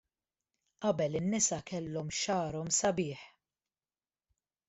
Qabel in-nisa kellhom xagħarhom sabiħ.